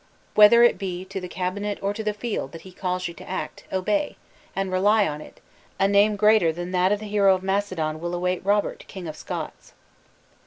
Whether it be to the cabinet or to the field that He calls you to act, obey; and rely on it, a name greater than that of the hero of Macedon will await Robert, King of Scots!"